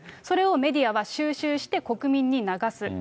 それをメディアは、収集して国民に流す。